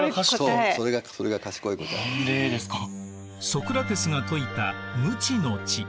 ソクラテスが説いた「無知の知」。